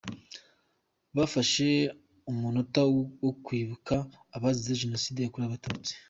Bafashe umunota wo kwibuka abazize Jenoside yakorewe Abatutsi.